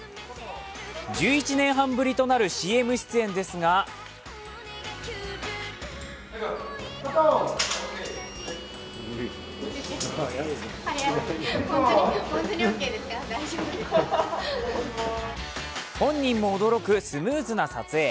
１１年半ぶりとなるＣＭ出演ですが本人も驚くスムーズな撮影。